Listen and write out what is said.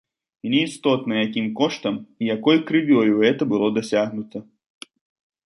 І неістотна, якім коштам і якой крывёю гэта было дасягнута.